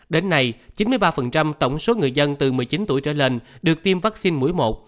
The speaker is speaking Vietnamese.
đến nay chín mươi ba tổng số người dân từ một mươi chín tuổi trở lên được tiêm vaccine mũi một